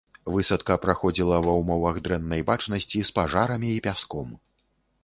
Высадка праходзіла ва ўмовах дрэннай бачнасці з пажарамі і пяском.